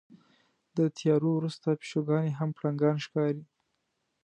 د تیارو وروسته پیشوګانې هم پړانګان ښکاري.